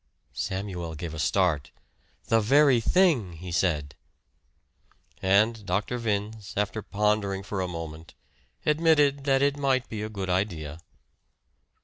Samuel gave a start. "The very thing!" he said. And Dr. Vince, after pondering for a moment, admitted that it might be a good idea.